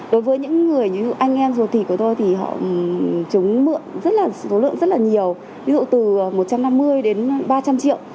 đối với những người như anh em ruột thịt của tôi thì họ chúng mượn rất là số lượng rất là nhiều ví dụ từ một trăm năm mươi đến ba trăm linh triệu